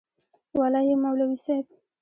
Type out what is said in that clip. وله یی مولوی صیب.